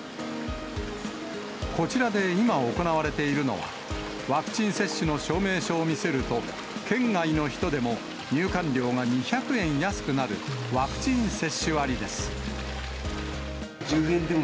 こちらで今行われているのは、ワクチン接種の証明書を見せると、県外の人でも、入館料が２００円安くなるワクチン接種割です。